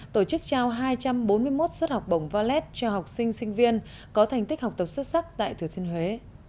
tổ chức trao hai trăm bốn mươi một suất học bổng valet cho học sinh sinh viên có thành tích học tập xuất sắc tại thừa thiên huế